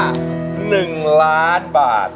นี่คือเพลงที่นี่